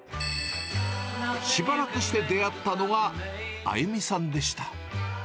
しばらくして出会ったのが歩さんでした。